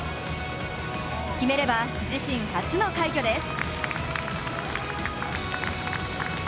決めれば自身初の快挙です。